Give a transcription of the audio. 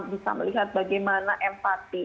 bisa melihat bagaimana empati